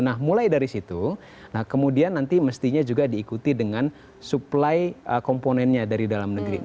nah mulai dari situ nah kemudian nanti mestinya juga diikuti dengan supply komponennya dari dalam negeri